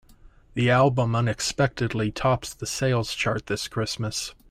The album unexpectedly tops the sales chart this Christmas.